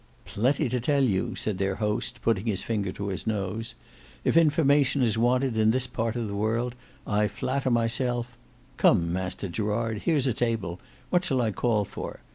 "Plenty to tell you," said their host putting his finger to his nose. "If information is wanted in this part of the world, I flatter myself—Come, Master Gerard, here's a table; what shall I call for?